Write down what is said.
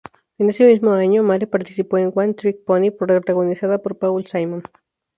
En ese mismo año Mare participó en "One Trick Pony", protagonizada por Paul Simon.